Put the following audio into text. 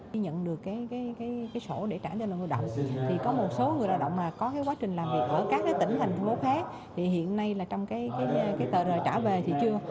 khi nhận được cái sổ để trả cho người lao động thì có một số người lao động mà có cái quá trình làm việc ở các tỉnh thành phố khác thì hiện nay là trong cái tờ rời trả về thì chưa